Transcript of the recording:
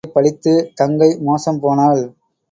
அக்காளைப் பழித்துத் தங்கை மோசம் போனாள்.